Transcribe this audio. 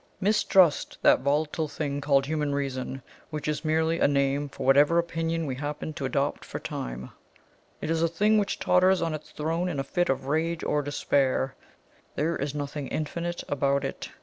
Mistrust that volatile thing called Human Reason, which is merely a name for whatever opinion we happen to adopt for the time it is a thing which totters on its throne in a fit of rage or despair there is nothing infinite about it.